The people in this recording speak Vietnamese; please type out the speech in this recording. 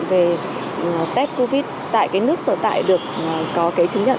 về tết covid tại cái nước sở tại được có cái chứng nhận